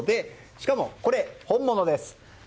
しかもこれ、本物です。